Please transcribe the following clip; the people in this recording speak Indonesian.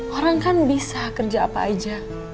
orang kan bisa kerja apa aja